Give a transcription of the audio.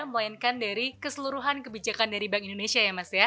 melainkan dari keseluruhan kebijakan dari bank indonesia ya mas ya